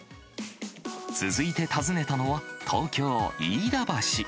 続いて訪ねたのは、東京・飯田橋。